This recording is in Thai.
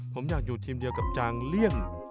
ผมอยากอยู่ทีมเดียวกับจางเลี่ยง